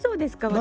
私。